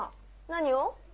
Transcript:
何を？